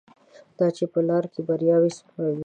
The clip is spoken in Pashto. دا چې په دې لاره کې بریاوې څومره وې.